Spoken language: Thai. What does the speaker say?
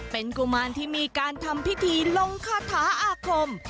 เป็นกุมารที่มีการทำพิธีลงคาถาอาคม